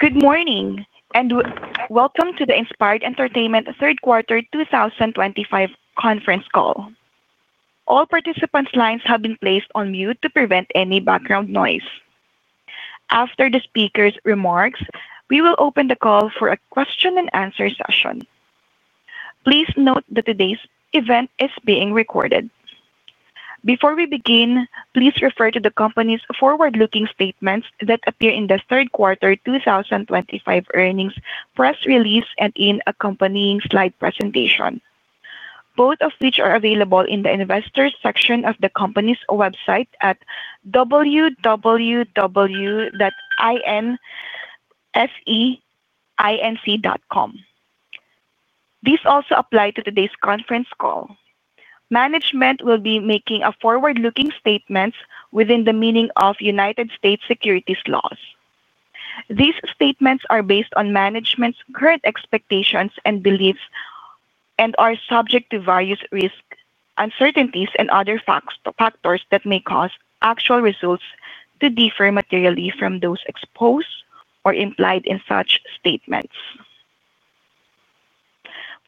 Good morning, and welcome to the Inspired Entertainment third quarter 2025 conference call. All participants' lines have been placed on mute to prevent any background noise. After the speakers' remarks, we will open the call for a question-and-answer session. Please note that today's event is being recorded. Before we begin, please refer to the company's forward-looking statements that appear in the third quarter 2025 earnings press release and in the accompanying slide presentation. Both of which are available in the investors' section of the company's website at www.inseinc.com. These also apply to today's conference call. Management will be making forward-looking statements within the meaning of United States securities laws. These statements are based on management's current expectations and beliefs and are subject to various risks, uncertainties, and other factors that may cause actual results to differ materially from those exposed or implied in such statements.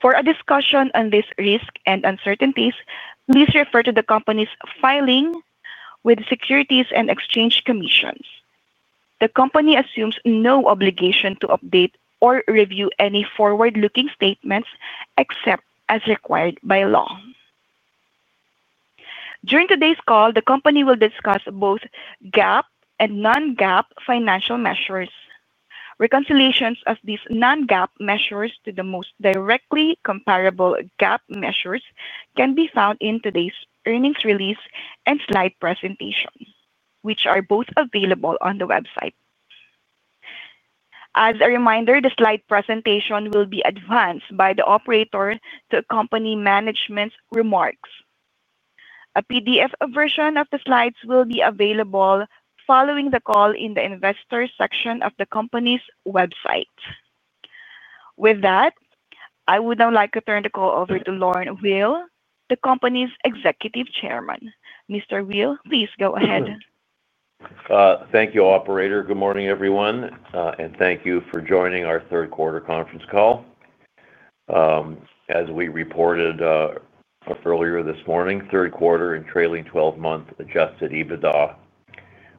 For a discussion on these risks and uncertainties, please refer to the company's filing with the Securities and Exchange Commission. The company assumes no obligation to update or review any forward-looking statements except as required by law. During today's call, the company will discuss both GAAP and non-GAAP financial measures. Reconciliations of these non-GAAP measures to the most directly comparable GAAP measures can be found in today's earnings release and slide presentation, which are both available on the website. As a reminder, the slide presentation will be advanced by the operator to accompany management's remarks. A PDF version of the slides will be available following the call in the investors' section of the company's website. With that, I would now like to turn the call over to Lorne Weil, the company's Executive Chairman. Mr. Weil, please go ahead. Thank you, Operator. Good morning, everyone, and thank you for joining our third quarter conference call. As we reported earlier this morning, third quarter and trailing 12-month Adjusted EBITDA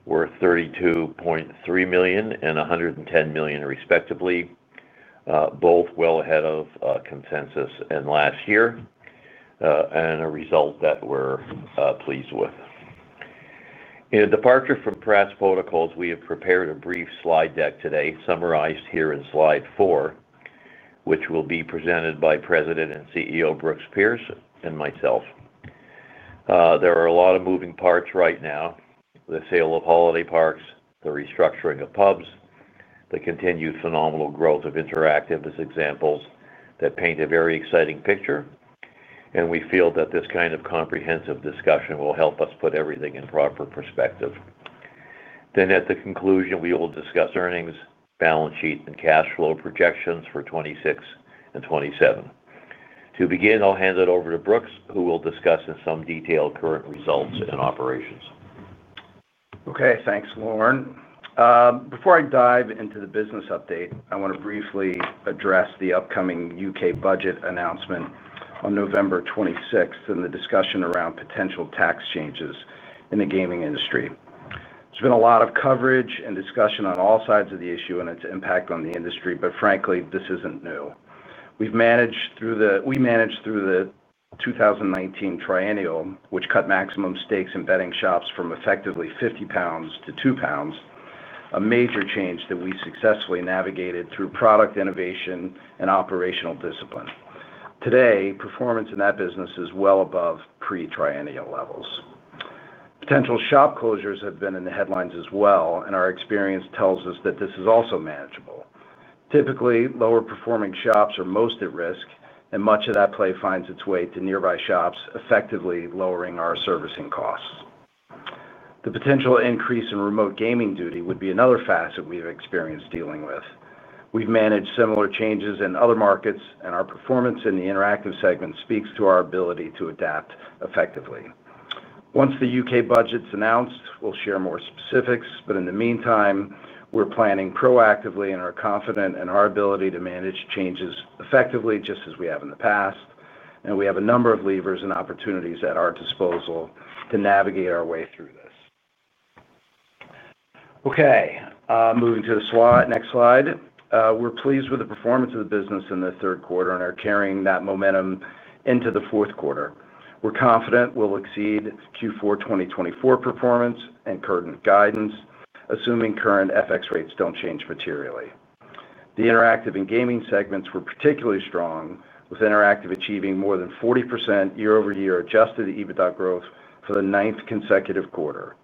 were $32.3 million and $110 million, respectively. Both well ahead of consensus last year, and a result that we're pleased with. In departure from press protocols, we have prepared a brief slide deck today summarized here in slide four, which will be presented by President and CEO Brooks Pierce and myself. There are a lot of moving parts right now: the sale of holiday parks, the restructuring of pubs, the continued phenomenal growth of interactive as examples that paint a very exciting picture. We feel that this kind of comprehensive discussion will help us put everything in proper perspective. At the conclusion, we will discuss earnings, balance sheet, and cash flow projections for 2026 and 2027. To begin, I'll hand it over to Brooks, who will discuss in some detail current results and operations. Okay, thanks, Lorne. Before I dive into the business update, I want to briefly address the upcoming U.K. budget announcement on November 26 and the discussion around potential tax changes in the gaming industry. There's been a lot of coverage and discussion on all sides of the issue and its impact on the industry, but frankly, this isn't new. We've managed through the 2019 triennial, which cut maximum stakes in betting shops from effectively 50 pounds to 2 pounds. A major change that we successfully navigated through product innovation and operational discipline. Today, performance in that business is well above pre-triennial levels. Potential shop closures have been in the headlines as well, and our experience tells us that this is also manageable. Typically, lower-performing shops are most at risk, and much of that play finds its way to nearby shops, effectively lowering our servicing costs. The potential increase in remote gaming duty would be another facet we've experienced dealing with. We've managed similar changes in other markets, and our performance in the interactive segment speaks to our ability to adapt effectively. Once the U.K. budget's announced, we'll share more specifics, but in the meantime, we're planning proactively and are confident in our ability to manage changes effectively just as we have in the past. We have a number of levers and opportunities at our disposal to navigate our way through this. Okay, moving to the next slide. We're pleased with the performance of the business in the third quarter and are carrying that momentum into the fourth quarter. We're confident we'll exceed Q4 2024 performance and current guidance, assuming current FX rates don't change materially. The interactive and gaming segments were particularly strong, with interactive achieving more than 40% year-over-year Adjusted EBITDA growth for the ninth consecutive quarter.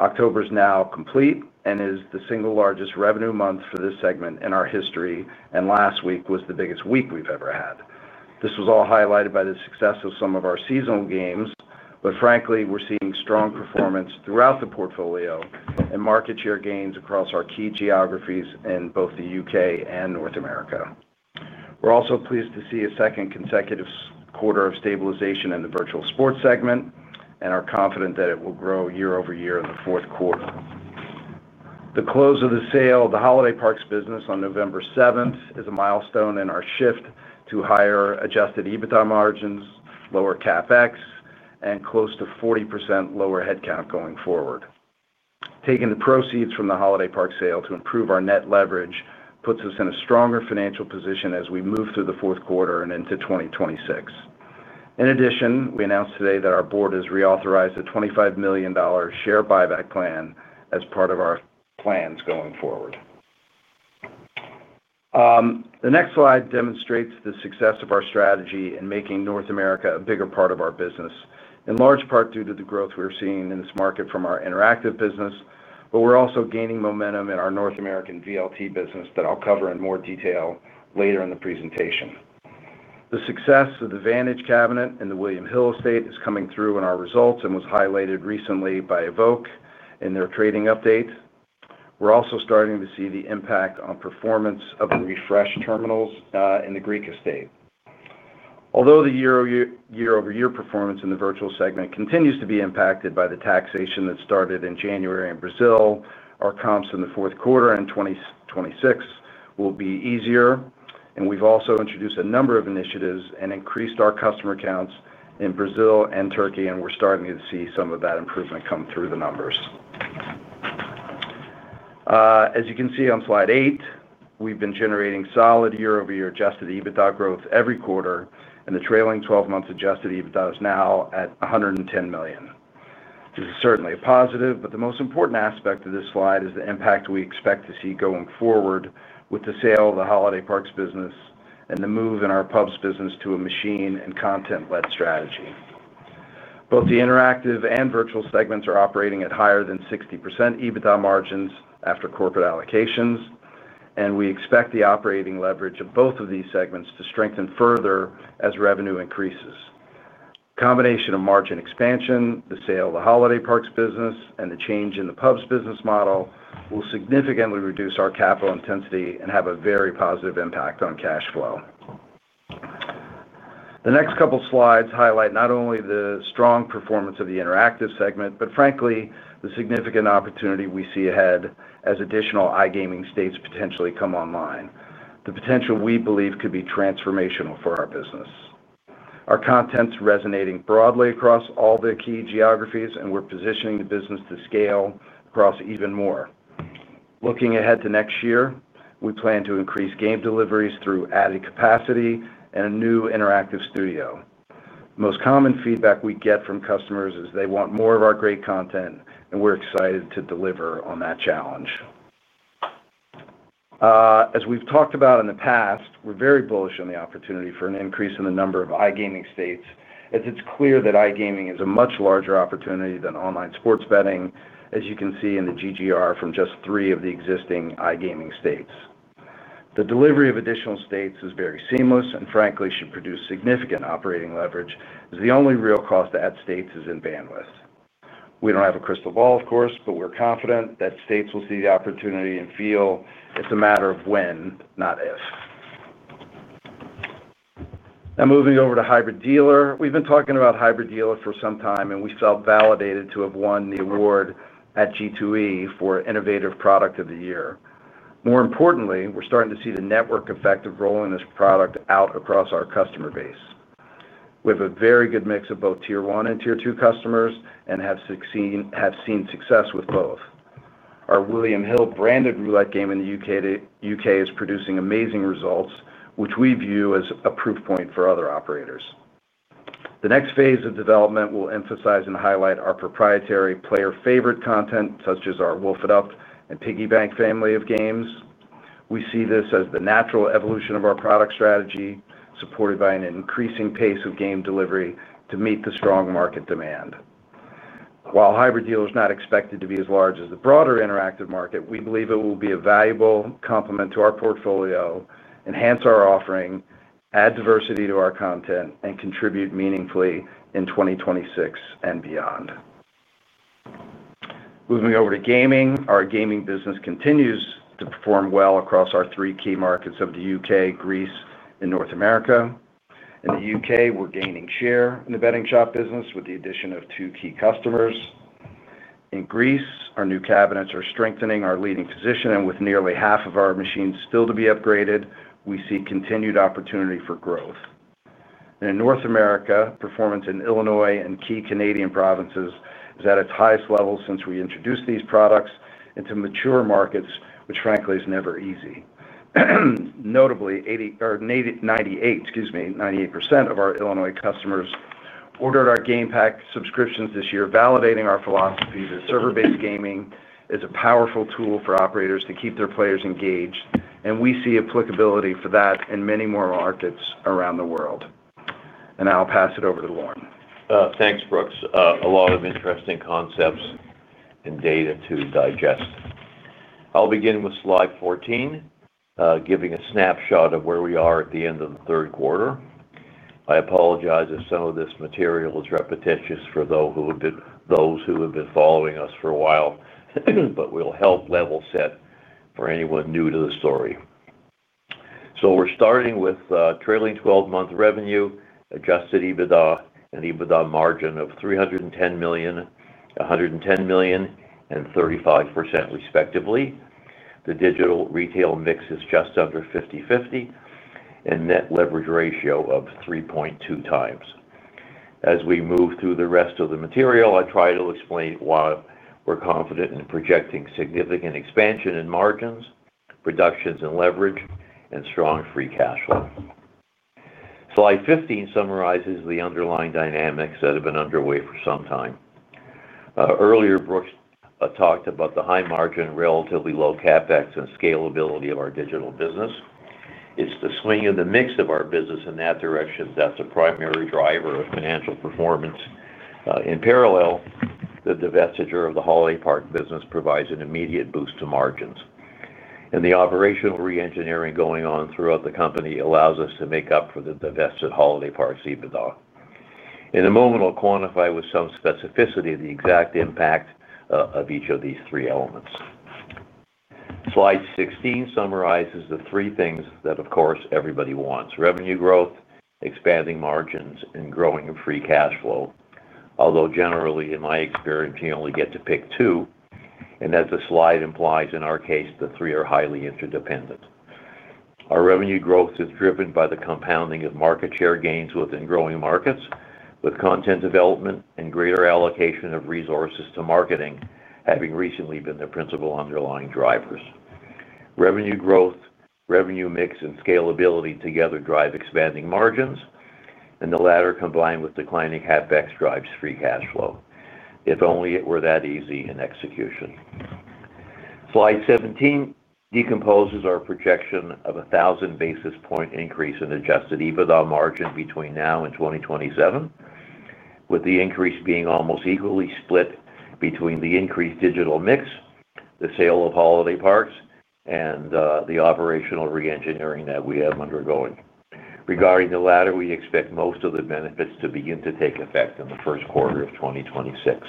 October is now complete and is the single largest revenue month for this segment in our history, and last week was the biggest week we've ever had. This was all highlighted by the success of some of our seasonal games, but frankly, we're seeing strong performance throughout the portfolio and market share gains across our key geographies in both the U.K. and North America. We're also pleased to see a second consecutive quarter of stabilization in the virtual sports segment, and are confident that it will grow year-over-year in the fourth quarter. The close of the sale of the holiday parks business on November 7th is a milestone in our shift to higher Adjusted EBITDA margins, lower CapEx, and close to 40% lower headcount going forward. Taking the proceeds from the holiday park sale to improve our net leverage puts us in a stronger financial position as we move through the fourth quarter and into 2026. In addition, we announced today that our board has reauthorized a $25 million share buyback plan as part of our plans going forward. The next slide demonstrates the success of our strategy in making North America a bigger part of our business, in large part due to the growth we're seeing in this market from our interactive business, but we're also gaining momentum in our North American VLT business that I'll cover in more detail later in the presentation. The success of the Vantage cabinet in the William Hill estate is coming through in our results and was highlighted recently by Evoke in their trading update. We're also starting to see the impact on performance of the refresh terminals in the Greek estate. Although the year-over-year performance in the virtual segment continues to be impacted by the taxation that started in January in Brazil, our comps in the fourth quarter in 2026 will be easier, and we've also introduced a number of initiatives and increased our customer counts in Brazil and Turkey, and we're starting to see some of that improvement come through the numbers. As you can see on slide eight, we've been generating solid year-over-year Adjusted EBITDA growth every quarter, and the trailing 12-month Adjusted EBITDA is now at $110 million. This is certainly a positive, but the most important aspect of this slide is the impact we expect to see going forward with the sale of the holiday parks business and the move in our pubs business to a machine and content-led strategy. Both the interactive and virtual segments are operating at higher than 60% EBITDA margins after corporate allocations, and we expect the operating leverage of both of these segments to strengthen further as revenue increases. The combination of margin expansion, the sale of the holiday parks business, and the change in the pubs business model will significantly reduce our capital intensity and have a very positive impact on cash flow. The next couple of slides highlight not only the strong performance of the interactive segment, but frankly, the significant opportunity we see ahead as additional iGaming states potentially come online. The potential we believe could be transformational for our business. Our content's resonating broadly across all the key geographies, and we're positioning the business to scale across even more. Looking ahead to next year, we plan to increase game deliveries through added capacity and a new interactive studio. The most common feedback we get from customers is they want more of our great content, and we're excited to deliver on that challenge. As we've talked about in the past, we're very bullish on the opportunity for an increase in the number of iGaming states as it's clear that iGaming is a much larger opportunity than online sports betting, as you can see in the GGR from just three of the existing iGaming states. The delivery of additional states is very seamless and frankly should produce significant operating leverage as the only real cost at states is in bandwidth. We do not have a crystal ball, of course, but we are confident that states will see the opportunity and feel it is a matter of when, not if. Now, moving over to Hybrid Dealer, we have been talking about Hybrid Dealer for some time, and we felt validated to have won the award at G2E for innovative product of the year. More importantly, we are starting to see the network effect of rolling this product out across our customer base. We have a very good mix of both tier one and tier two customers and have seen success with both. Our William Hill branded roulette game in the U.K. is producing amazing results, which we view as a proof point for other operators. The next phase of development will emphasize and highlight our proprietary player-favorite content, such as our Wolf It Up and Piggy Bank family of games. We see this as the natural evolution of our product strategy, supported by an increasing pace of game delivery to meet the strong market demand. While Hybrid Dealer is not expected to be as large as the broader interactive market, we believe it will be a valuable complement to our portfolio, enhance our offering, add diversity to our content, and contribute meaningfully in 2026 and beyond. Moving over to gaming, our gaming business continues to perform well across our three key markets of the U.K., Greece, and North America. In the U.K., we are gaining share in the betting shop business with the addition of two key customers. In Greece, our new cabinets are strengthening our leading position, and with nearly half of our machines still to be upgraded, we see continued opportunity for growth. In North America, performance in Illinois and key Canadian provinces is at its highest level since we introduced these products into mature markets, which frankly is never easy. Notably, 98% of our Illinois customers ordered our GamePak subscriptions this year, validating our philosophy that server-based gaming is a powerful tool for operators to keep their players engaged, and we see applicability for that in many more markets around the world. I will pass it over to Lorne. Thanks, Brooks. A lot of interesting concepts and data to digest. I'll begin with slide 14. Giving a snapshot of where we are at the end of the third quarter. I apologize if some of this material is repetitious for those who have been following us for a while, but we'll help level set for anyone new to the story. We're starting with trailing 12-month revenue, Adjusted EBITDA, and EBITDA margin of $310 million, $110 million, and 35%, respectively. The digital retail mix is just under 50/50. Net leverage ratio of 3.2x. As we move through the rest of the material, I try to explain why we're confident in projecting significant expansion in margins, productions, and leverage, and strong free cash flow. Slide 15 summarizes the underlying dynamics that have been underway for some time. Earlier, Brooks talked about the high margin, relatively low CapEx, and scalability of our digital business. It is the swing of the mix of our business in that direction that is a primary driver of financial performance. In parallel, the divestiture of the holiday park business provides an immediate boost to margins. The operational re-engineering going on throughout the company allows us to make up for the divested holiday parks EBITDA. In a moment, I will quantify with some specificity the exact impact of each of these three elements. Slide 16 summarizes the three things that, of course, everybody wants: revenue growth, expanding margins, and growing free cash flow. Although generally, in my experience, you only get to pick two. As the slide implies, in our case, the three are highly interdependent. Our revenue growth is driven by the compounding of market share gains within growing markets, with content development and greater allocation of resources to marketing having recently been the principal underlying drivers. Revenue growth, revenue mix, and scalability together drive expanding margins, and the latter, combined with declining CapEx, drives free cash flow. If only it were that easy in execution. Slide 17 decomposes our projection of a 1,000 basis point increase in Adjusted EBITDA margin between now and 2027, with the increase being almost equally split between the increased digital mix, the sale of holiday parks, and the operational re-engineering that we have undergoing. Regarding the latter, we expect most of the benefits to begin to take effect in the first quarter of 2026.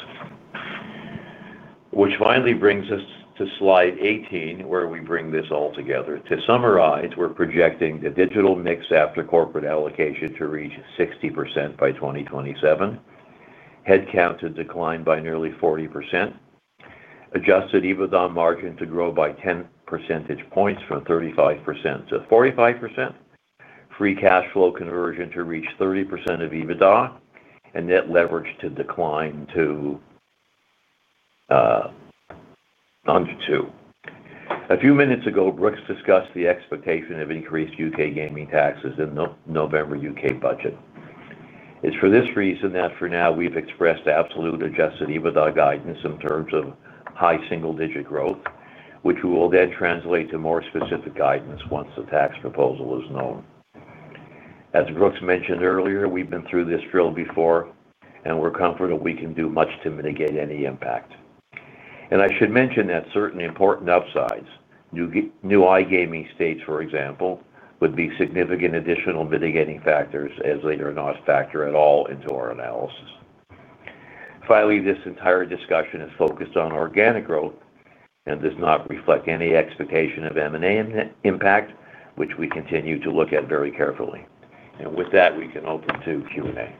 Which finally brings us to slide 18, where we bring this all together. To summarize, we're projecting the digital mix after corporate allocation to reach 60% by 2027. Headcount to decline by nearly 40%. Adjusted EBITDA margin to grow by 10 percentage points from 35%-45%. Free cash flow conversion to reach 30% of EBITDA, and net leverage to decline to under 2x. A few minutes ago, Brooks discussed the expectation of increased U.K. gaming taxes in the November U.K. budget. It's for this reason that for now we've expressed absolute Adjusted EBITDA guidance in terms of high single-digit growth, which we will then translate to more specific guidance once the tax proposal is known. As Brooks mentioned earlier, we've been through this drill before, and we're comfortable we can do much to mitigate any impact. I should mention that certain important upsides, new iGaming states, for example, would be significant additional mitigating factors as they do not factor at all into our analysis. Finally, this entire discussion is focused on organic growth and does not reflect any expectation of M&A impact, which we continue to look at very carefully. With that, we can open to Q&A.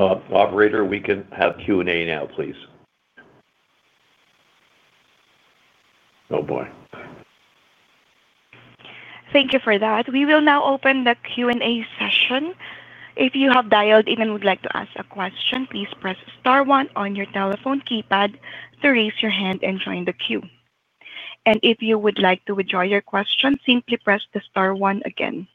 Operator, we can have Q&A now, please. Oh, boy. Thank you for that. We will now open the Q&A session. If you have dialed in and would like to ask a question, please press star one on your telephone keypad to raise your hand and join the queue. If you would like to withdraw your question, simply press the star one again.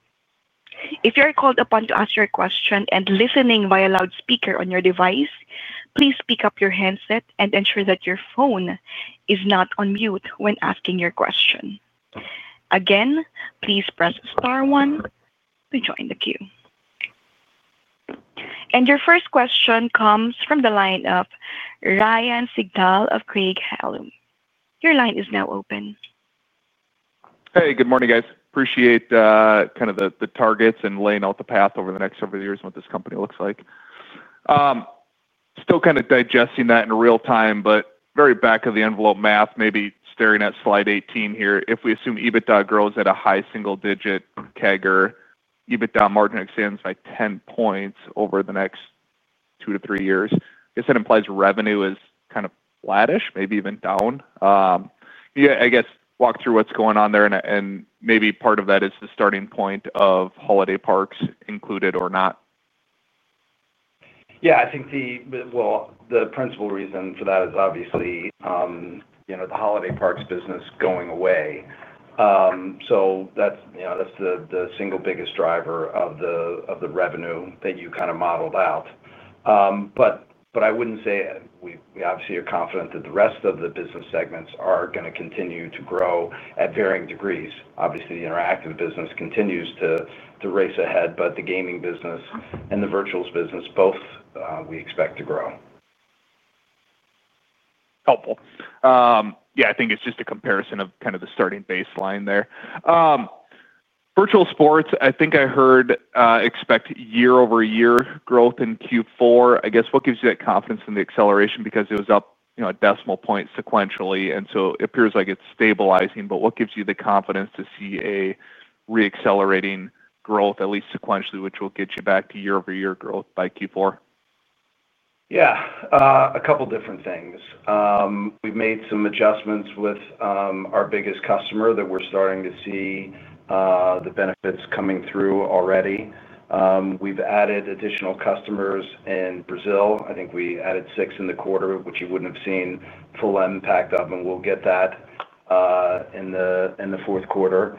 If you're called upon to ask your question and listening via loudspeaker on your device, please pick up your handset and ensure that your phone is not on mute when asking your question. Again, please press star one to join the queue. Your first question comes from the line of Ryan Sigdahl of Craig-Hallum. Your line is now open. Hey, good morning, guys. Appreciate kind of the targets and laying out the path over the next several years and what this company looks like. Still kind of digesting that in real time, but very back of the envelope math, maybe staring at slide 18 here. If we assume EBITDA grows at a high single-digit CAGR, EBITDA margin extends by 10 percentage points over the next two to three years. I guess that implies revenue is kind of flattish, maybe even down. Yeah, I guess walk through what's going on there, and maybe part of that is the starting point of holiday parks included or not. Yeah, I think the principal reason for that is obviously the holiday parks business going away. That is the single biggest driver of the revenue that you kind of modeled out. I would not say we obviously are confident that the rest of the business segments are going to continue to grow at varying degrees. Obviously, the interactive business continues to race ahead, but the gaming business and the virtuals business, both we expect to grow. Helpful. Yeah, I think it's just a comparison of kind of the starting baseline there. Virtual sports, I think I heard expect year-over-year growth in Q4. I guess what gives you that confidence in the acceleration? Because it was up a decimal point sequentially, and so it appears like it's stabilizing, but what gives you the confidence to see a re-accelerating growth, at least sequentially, which will get you back to year-over-year growth by Q4? Yeah, a couple of different things. We've made some adjustments with our biggest customer that we're starting to see the benefits coming through already. We've added additional customers in Brazil. I think we added six in the quarter, which you would not have seen full impact of, and we'll get that in the fourth quarter.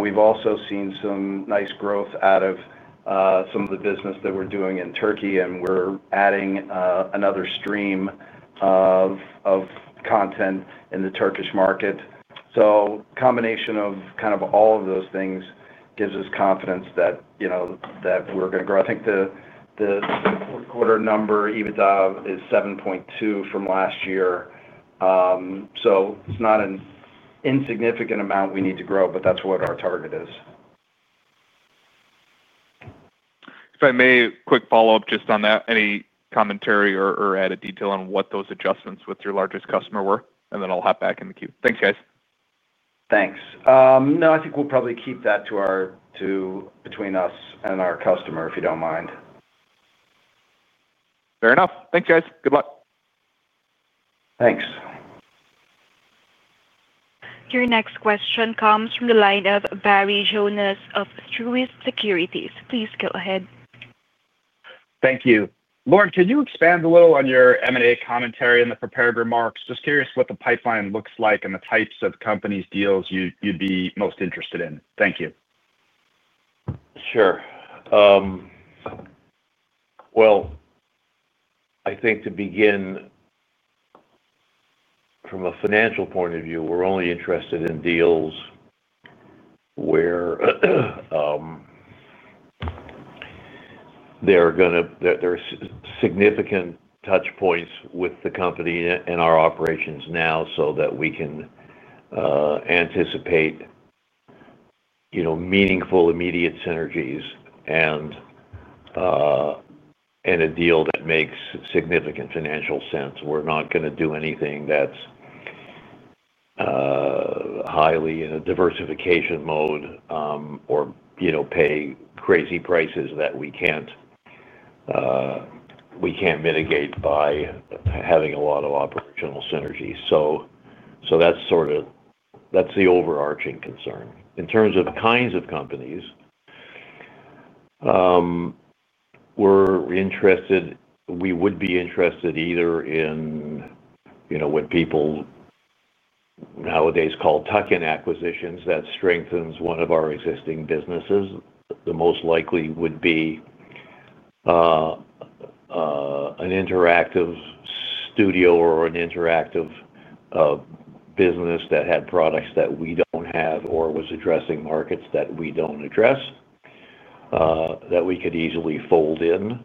We've also seen some nice growth out of some of the business that we're doing in Turkey, and we're adding another stream of content in the Turkish market. A combination of kind of all of those things gives us confidence that we're going to grow. I think the fourth-quarter number, EBITDA, is $7.2 million from last year. It is not an insignificant amount we need to grow, but that's what our target is. If I may, quick follow-up just on that, any commentary or added detail on what those adjustments with your largest customer were? I'll hop back in the queue. Thanks, guys. Thanks. No, I think we'll probably keep that between us and our customer, if you don't mind. Fair enough. Thanks, guys. Good luck. Thanks. Your next question comes from the line of Barry Jonas of Truist Securities. Please go ahead. Thank you. Lorne, can you expand a little on your M&A commentary and the prepared remarks? Just curious what the pipeline looks like and the types of companies' deals you'd be most interested in. Thank you. Sure. I think to begin. From a financial point of view, we're only interested in deals where there are significant touchpoints with the company and our operations now so that we can anticipate meaningful immediate synergies and a deal that makes significant financial sense. We're not going to do anything that's highly in a diversification mode or pay crazy prices that we can't mitigate by having a lot of operational synergies. That's sort of the overarching concern. In terms of kinds of companies we're interested, we would be interested either in what people nowadays call tuck-in acquisitions that strengthen one of our existing businesses. The most likely would be an interactive studio or an interactive business that had products that we don't have or was addressing markets that we don't address that we could easily fold in.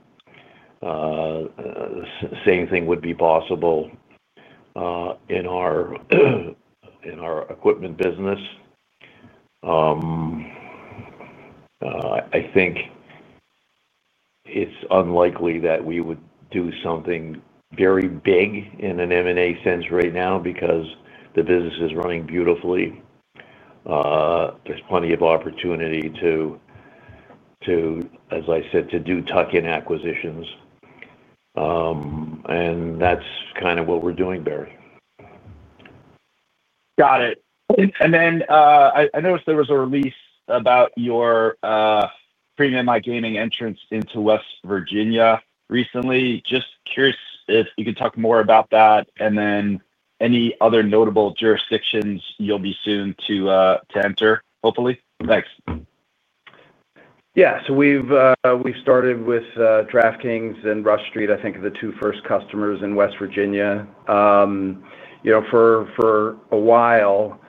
The same thing would be possible in our equipment business. I think it's unlikely that we would do something very big in an M&A sense right now because the business is running beautifully. There's plenty of opportunity to, as I said, to do tuck-in acquisitions. That's kind of what we're doing, Barry. Got it. I noticed there was a release about your Premium My Gaming entrance into West Virginia recently. Just curious if you could talk more about that and then any other notable jurisdictions you'll be soon to enter, hopefully. Thanks. Yeah. So we've started with DraftKings and Rush Street, I think, the two first customers in West Virginia. For a while,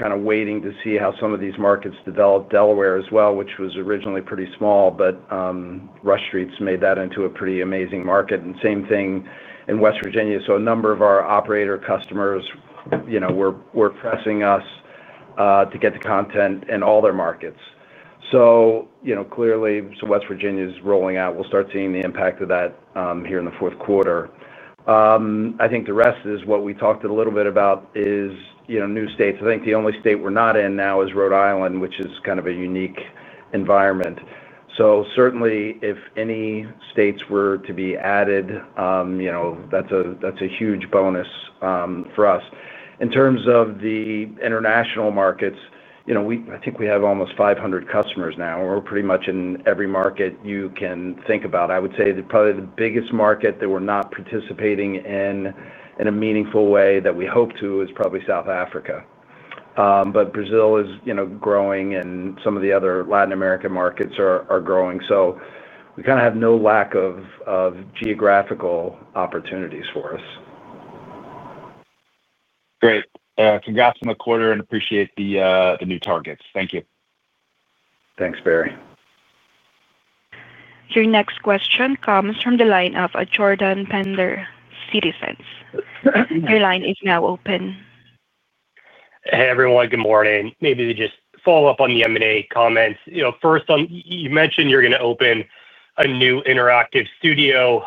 we're kind of waiting to see how some of these markets develop. Delaware as well, which was originally pretty small, but Rush Street's made that into a pretty amazing market. Same thing in West Virginia. A number of our operator customers were pressing us to get the content in all their markets. Clearly, West Virginia is rolling out. We'll start seeing the impact of that here in the fourth quarter. I think the rest is what we talked a little bit about, is new states. I think the only state we're not in now is Rhode Island, which is kind of a unique environment. Certainly, if any states were to be added, that's a huge bonus for us. In terms of the. International markets, I think we have almost 500 customers now. We're pretty much in every market you can think about. I would say probably the biggest market that we're not participating in in a meaningful way that we hope to is probably South Africa. Brazil is growing, and some of the other Latin American markets are growing. We kind of have no lack of geographical opportunities for us. Great. Congrats on the quarter, and appreciate the new targets. Thank you. Thanks, Barry. Your next question comes from the line of Jordan Bender Citizens. Your line is now open. Hey, everyone. Good morning. Maybe to just follow up on the M&A comments. First, you mentioned you're going to open a new interactive studio.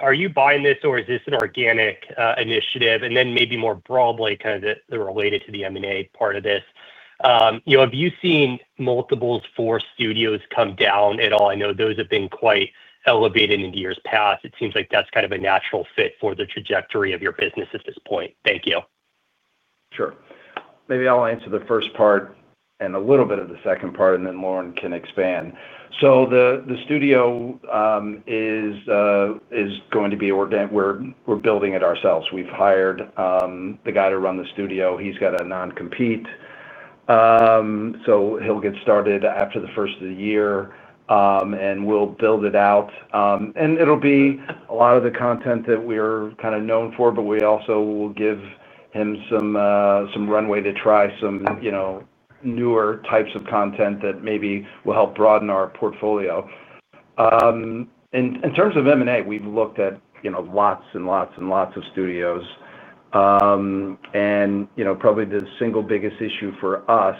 Are you buying this, or is this an organic initiative? Then maybe more broadly, kind of related to the M&A part of this. Have you seen multiples for studios come down at all? I know those have been quite elevated in years past. It seems like that's kind of a natural fit for the trajectory of your business at this point. Thank you. Sure. Maybe I'll answer the first part and a little bit of the second part, and then Lorne can expand. The studio is going to be organic. We're building it ourselves. We've hired the guy to run the studio. He's got a non-compete, so he'll get started after the first of the year, and we'll build it out. It'll be a lot of the content that we're kind of known for, but we also will give him some runway to try some newer types of content that maybe will help broaden our portfolio. In terms of M&A, we've looked at lots and lots and lots of studios, and probably the single biggest issue for us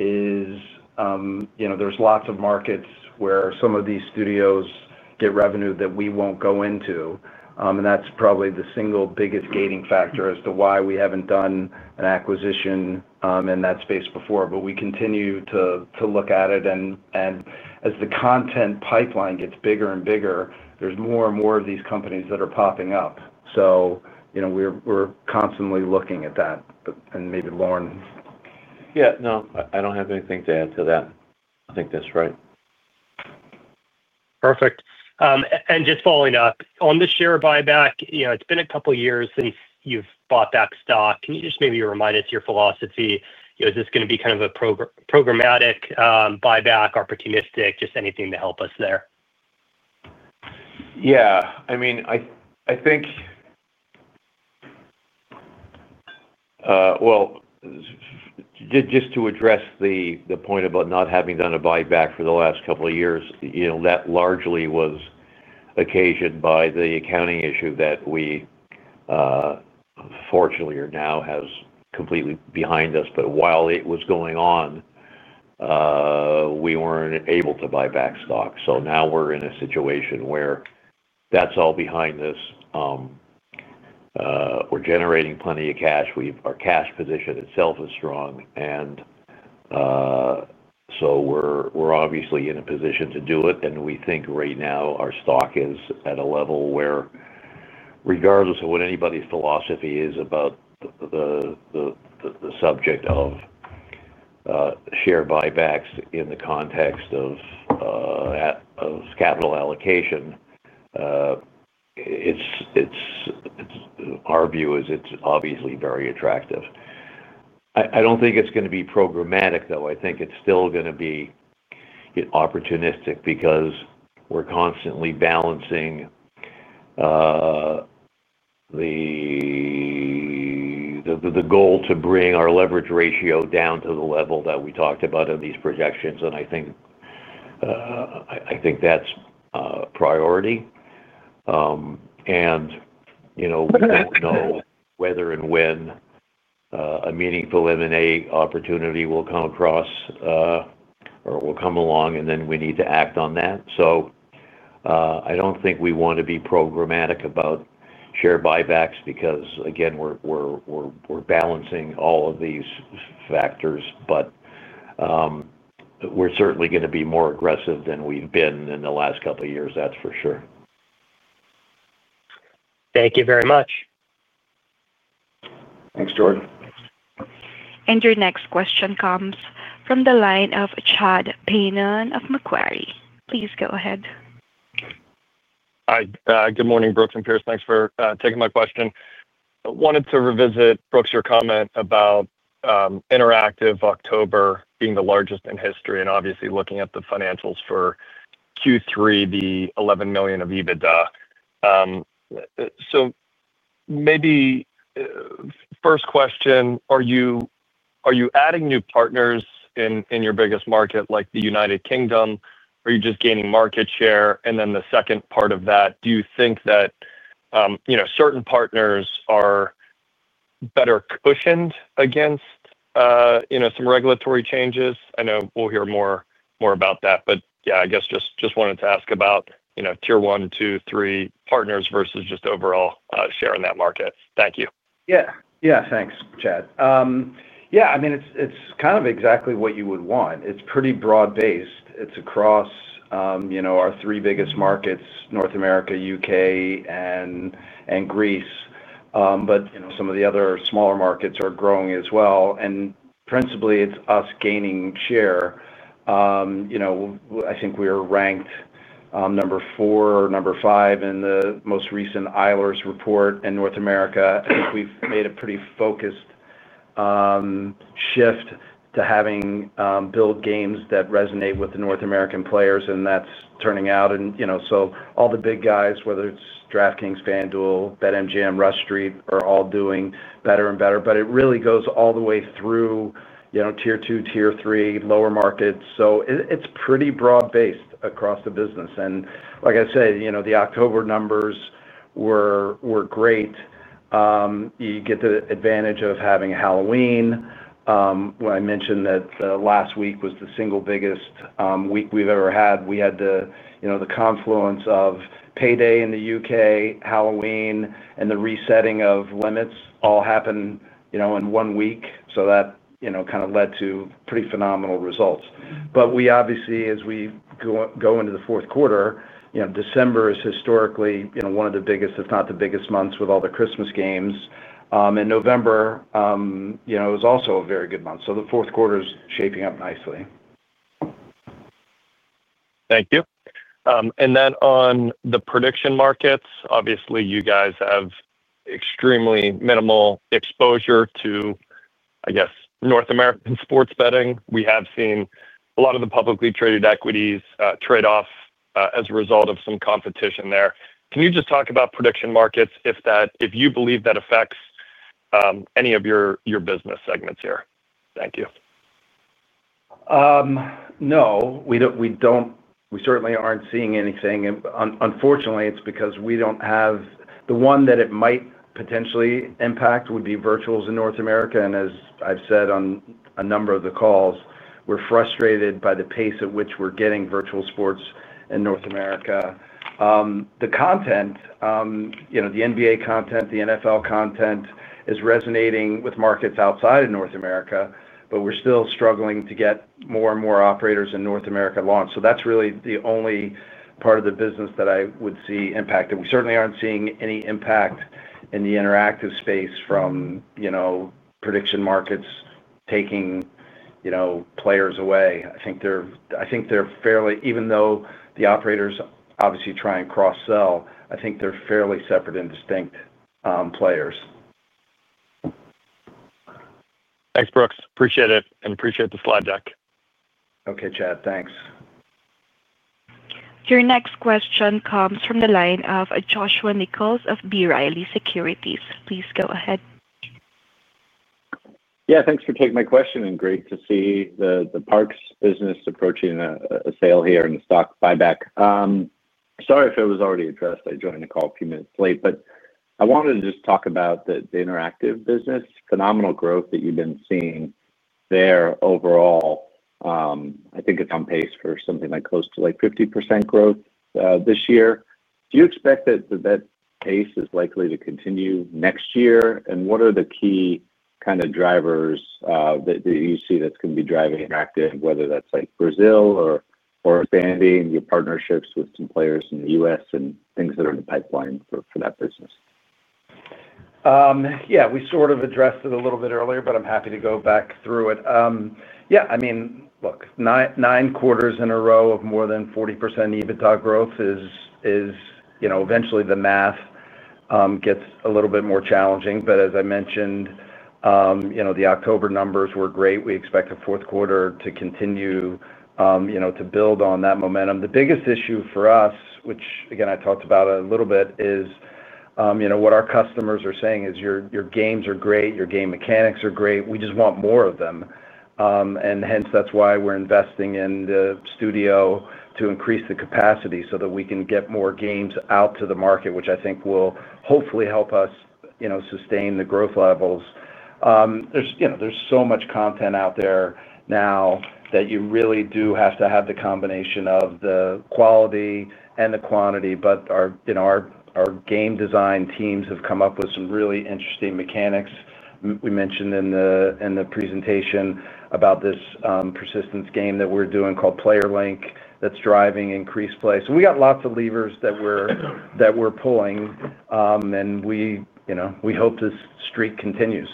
is there's lots of markets where some of these studios get revenue that we won't go into. That is probably the single biggest gating factor as to why we have not done an acquisition in that space before. We continue to look at it. As the content pipeline gets bigger and bigger, there are more and more of these companies that are popping up. We are constantly looking at that. Maybe Lorne. Yeah. No, I do not have anything to add to that. I think that is right. Perfect. Just following up, on the share buyback, it has been a couple of years since you have bought back stock. Can you just maybe remind us your philosophy? Is this going to be kind of a programmatic buyback, opportunistic, just anything to help us there? Yeah. I mean, I think. Just to address the point about not having done a buyback for the last couple of years, that largely was occasioned by the accounting issue that we, fortunately, now has completely behind us. While it was going on, we were not able to buy back stock. Now we are in a situation where that is all behind us. We are generating plenty of cash. Our cash position itself is strong. We are obviously in a position to do it. We think right now our stock is at a level where, regardless of what anybody's philosophy is about the subject of share buybacks in the context of capital allocation, our view is it is obviously very attractive. I do not think it is going to be programmatic, though. I think it is still going to be opportunistic because we are constantly balancing the. is to bring our leverage ratio down to the level that we talked about in these projections. I think that's a priority. We don't know whether and when a meaningful M&A opportunity will come across or will come along, and then we need to act on that. I don't think we want to be programmatic about share buybacks because, again, we're balancing all of these factors. We're certainly going to be more aggressive than we've been in the last couple of years, that's for sure. Thank you very much. Thanks, Jordan. Your next question comes from the line of Chad Beynon of Macquarie. Please go ahead. Good morning, Brooks and Pierce. Thanks for taking my question. I wanted to revisit, Brooks, your comment about interactive October being the largest in history and obviously looking at the financials for Q3, the $11 million of EBITDA. Maybe first question, are you adding new partners in your biggest market, like the United Kingdom? Are you just gaining market share? The second part of that, do you think that certain partners are better cushioned against some regulatory changes? I know we'll hear more about that, but yeah, I guess just wanted to ask about tier one, two, three partners versus just overall share in that market. Thank you. Yeah. Yeah. Thanks, Chad. Yeah. I mean, it's kind of exactly what you would want. It's pretty broad-based. It's across our three biggest markets, North America, U.K., and Greece. Some of the other smaller markets are growing as well. Principally, it's us gaining share. I think we are ranked number four or number five in the most recent Eilers report in North America. I think we've made a pretty focused shift to having built games that resonate with the North American players, and that's turning out. All the big guys, whether it's DraftKings, FanDuel, BetMGM, Rush Street, are all doing better and better. It really goes all the way through tier two, tier three, lower markets. It's pretty broad-based across the business. Like I said, the October numbers were great. You get the advantage of having Halloween. I mentioned that last week was the single biggest week we've ever had. We had the confluence of payday in the U.K., Halloween, and the resetting of limits all happened in one week. That kind of led to pretty phenomenal results. Obviously, as we go into the fourth quarter, December is historically one of the biggest, if not the biggest, months with all the Christmas games. November is also a very good month. The fourth quarter is shaping up nicely. Thank you. On the prediction markets, obviously, you guys have extremely minimal exposure to, I guess, North American sports betting. We have seen a lot of the publicly traded equities trade off as a result of some competition there. Can you just talk about prediction markets, if you believe that affects any of your business segments here? Thank you. No. We certainly aren't seeing anything. Unfortunately, it's because we don't have the one that it might potentially impact would be virtuals in North America. As I've said on a number of the calls, we're frustrated by the pace at which we're getting virtual sports in North America. The content, the NBA content, the NFL content, is resonating with markets outside of North America, but we're still struggling to get more and more operators in North America launched. That's really the only part of the business that I would see impacted. We certainly aren't seeing any impact in the interactive space from prediction markets taking players away. I think they're fairly, even though the operators obviously try and cross-sell, I think they're fairly separate and distinct players. Thanks, Brooks. Appreciate it and appreciate the slide deck. Okay, Chad. Thanks. Your next question comes from the line of Joshua Nichols of B. Riley Securities. Please go ahead. Yeah. Thanks for taking my question. Great to see the parks business approaching a sale here in the stock buyback. Sorry if it was already addressed. I joined the call a few minutes late, but I wanted to just talk about the interactive business, phenomenal growth that you've been seeing there overall. I think it's on pace for something like close to 50% growth this year. Do you expect that that pace is likely to continue next year? What are the key kind of drivers that you see that's going to be driving interactive, whether that's Brazil or expanding your partnerships with some players in the U.S. and things that are in the pipeline for that business? Yeah. We sort of addressed it a little bit earlier, but I'm happy to go back through it. Yeah. I mean, look, nine quarters in a row of more than 40% EBITDA growth is, eventually the math gets a little bit more challenging. As I mentioned, the October numbers were great. We expect the fourth quarter to continue to build on that momentum. The biggest issue for us, which again, I talked about a little bit, is what our customers are saying is your games are great, your game mechanics are great, we just want more of them. Hence, that's why we're investing in the studio to increase the capacity so that we can get more games out to the market, which I think will hopefully help us sustain the growth levels. is so much content out there now that you really do have to have the combination of the quality and the quantity. Our game design teams have come up with some really interesting mechanics. We mentioned in the presentation about this persistence game that we are doing called PlayerLink that is driving increased play. We have lots of levers that we are pulling. We hope this streak continues.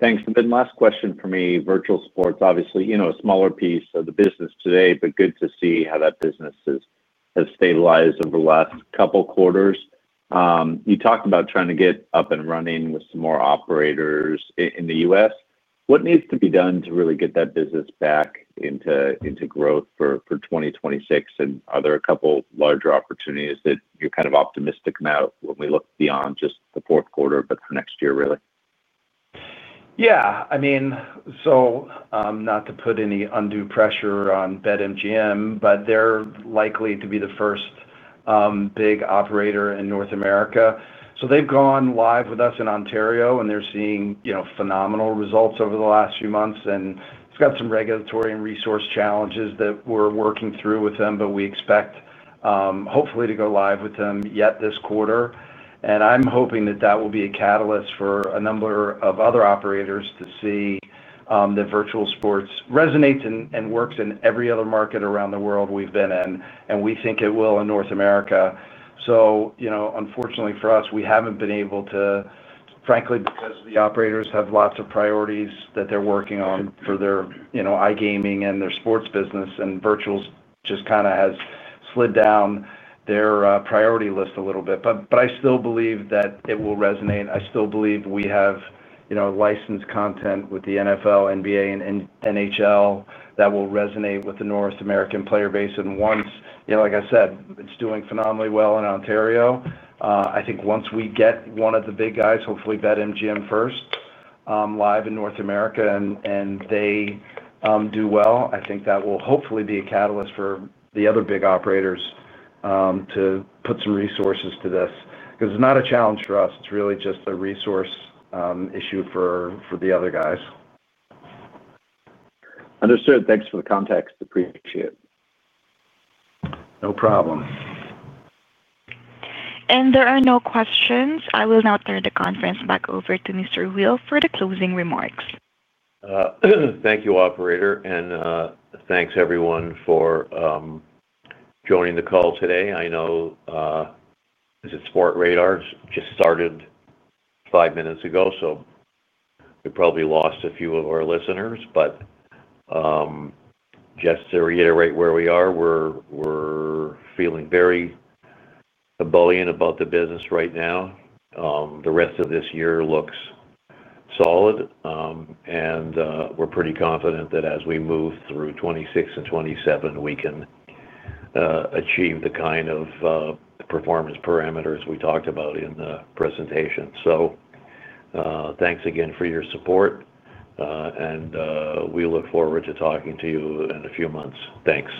Thanks. Last question for me, virtual sports, obviously a smaller piece of the business today, but good to see how that business has stabilized over the last couple of quarters. You talked about trying to get up and running with some more operators in the U.S. What needs to be done to really get that business back into growth for 2026? Are there a couple of larger opportunities that you are kind of optimistic about when we look beyond just the fourth quarter of next year, really? Yeah. I mean, not to put any undue pressure on BetMGM, but they're likely to be the first big operator in North America. They've gone live with us in Ontario, and they're seeing phenomenal results over the last few months. It's got some regulatory and resource challenges that we're working through with them, but we expect, hopefully, to go live with them yet this quarter. I'm hoping that will be a catalyst for a number of other operators to see the virtual sports resonate and work in every other market around the world we've been in. We think it will in North America. Unfortunately for us, we haven't been able to. Frankly, because the operators have lots of priorities that they're working on for their iGaming and their sports business, and virtual just kind of has slid down. Their priority list a little bit. I still believe that it will resonate. I still believe we have licensed content with the NFL, NBA, and NHL that will resonate with the North American player base. Once, like I said, it is doing phenomenally well in Ontario. I think once we get one of the big guys, hopefully BetMGM first, live in North America and they do well, I think that will hopefully be a catalyst for the other big operators to put some resources to this because it is not a challenge for us. It is really just a resource issue for the other guys. Understood. Thanks for the context. Appreciate it. No problem. There are no questions. I will now turn the conference back over to Mr. Weil for the closing remarks. Thank you, Operator. And thanks, everyone, for joining the call today. I know it's a Sportradar just started five minutes ago, so we probably lost a few of our listeners. But just to reiterate where we are, we're feeling very ebullient about the business right now. The rest of this year looks solid, and we're pretty confident that as we move through 2026 and 2027, we can achieve the kind of performance parameters we talked about in the presentation. So thanks again for your support, and we look forward to talking to you in a few months. Thanks.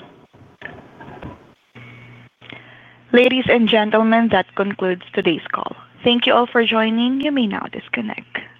Ladies and gentlemen, that concludes today's call. Thank you all for joining. You may now disconnect.